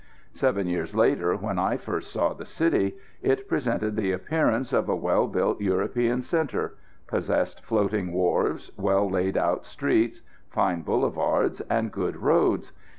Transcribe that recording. Seven years later, when I first saw the city, it presented the appearance of a well built European centre; possessed floating wharves, well laid out streets, fine boulevards and good roads.